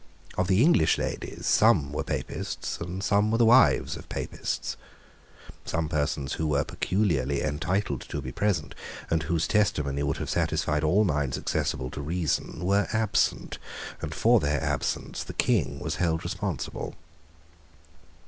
Of the English ladies some were Papists, and some were the wives of Papists. Some persons who were peculiarly entitled to be present, and whose testimony would have satisfied all minds accessible to reason, were absent, and for their absence the King was held responsible.